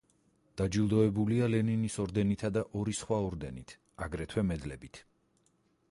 დაჯილდოებულია ლენინის ორდენითა და ორი სხვა ორდენით, აგრეთვე მედლებით.